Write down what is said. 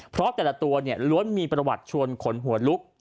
เพราะแต่ละตัวล้วนมีประวัติชวนขนหัวลุก